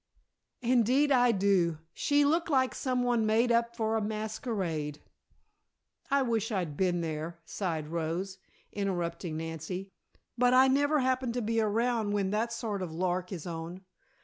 "Indeed I do; she looked like someone made up for a masquerade " "I wish I'd been there!" sighed Rose, interrupting Nancy. "But I never happen to be around when that sort of lark is on.